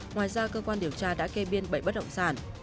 ngoài ra cơ quan điều tra đã kê biên bảy bất động sản